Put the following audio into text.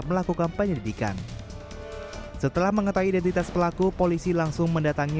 melakukan penyelidikan setelah mengetahui identitas pelaku polisi langsung mendatangi